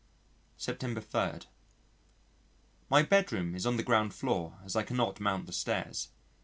September 3. My bedroom is on the ground floor as I cannot mount the stairs.